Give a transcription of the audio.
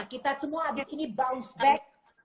kita semua abis ini bounce back